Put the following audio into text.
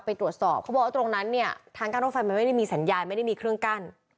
ไปตรวจสอบเขาบอกว่าตรงนั้นเนี่ยทางกั้นรถไฟมันไม่ได้มีสัญญาณไม่ได้มีเครื่องกั้น